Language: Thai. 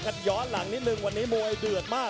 กันต่อแพทย์จินดอร์